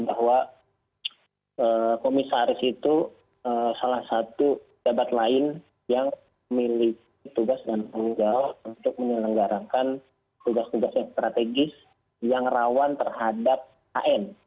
bahwa komisaris itu salah satu jabat lain yang memiliki tugas dan tanggung jawab untuk menyelenggarakan tugas tugas yang strategis yang rawan terhadap an